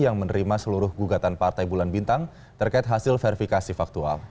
yang menerima seluruh gugatan partai bulan bintang terkait hasil verifikasi faktual